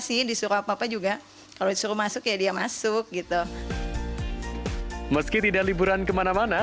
sih disuruh apa apa juga kalau disuruh masuk ya dia masuk gitu meski tidak liburan kemana mana